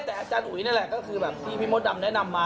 แต่อาจารย์อุ๋ยนี่แหละก็คือแบบที่พี่มดดำแนะนำมา